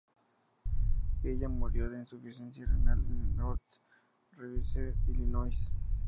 Ella murió de insuficiencia renal en North Riverside, Illinois.